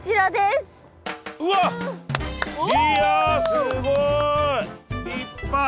いやすごい！